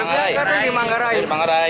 anjloknya di manggarai